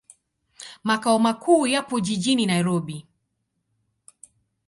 Makao makuu yapo jijini Nairobi.